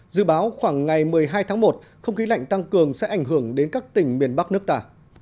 dự báo khoảng ngày một mươi hai tháng một không khí lạnh tăng cường sẽ ảnh hưởng đến các tỉnh miền bắc nước ta